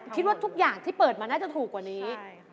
ทุกอย่างที่เปิดมาน่าจะถูกกว่านี้